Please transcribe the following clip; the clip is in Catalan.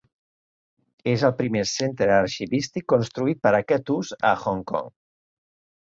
És el primer centre arxivístic construït per a aquest ús a Hong Kong.